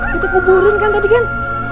kita kuburin kan tadi kan